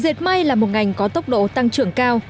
xếp mai là một ngành có tốc độ tăng trưởng cao